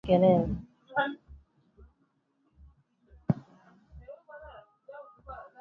Waosmani walioitawala muda mrefu Iraq ilikubaliwa kuwa